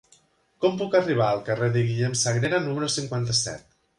Com puc arribar al carrer de Guillem Sagrera número cinquanta-set?